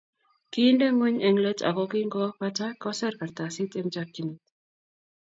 Kiinde ngweny eng let ako kingopata koserei kartasit eng chokchinet